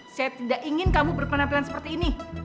saya tidak ingin kamu berpenampilan seperti ini